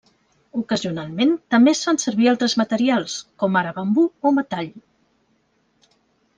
Ocasionalment, també es fan servir altres materials, com ara bambú o metall.